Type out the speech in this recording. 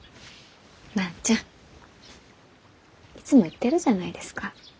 万ちゃんいつも言ってるじゃないですか。